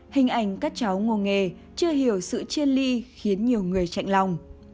hình ảnh các cháu ngồi nghề chưa hiểu sự chiên ly khiến nhiều người chạy lòng